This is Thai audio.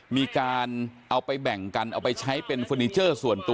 มีการเอาไปแบ่งกันเอาไปใช้เป็นเฟอร์นิเจอร์ส่วนตัว